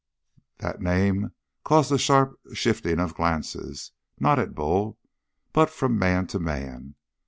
That name caused a sharp shifting of glances, not at Bull, but from man to man.